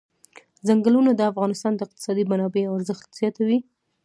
ځنګلونه د افغانستان د اقتصادي منابعو ارزښت زیاتوي.